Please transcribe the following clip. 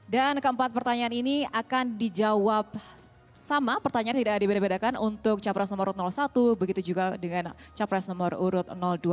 dan keempat pertanyaan ini akan dijawab sama pertanyaan tidak dibedakan untuk capres nomor satu begitu juga dengan capres nomor urut dua